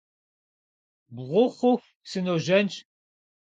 Бгъу хъуху сыножьэнщ.